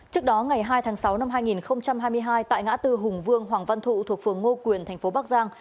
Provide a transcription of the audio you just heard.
trước đó ngày hai tháng sáu năm hai nghìn hai mươi hai tại ngã tư hùng vương hoàng văn thụ thuộc phường ngô quyền thành phố bắc giang